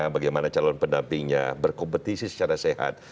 bagaimana calon pendampingnya berkompetisi secara sehat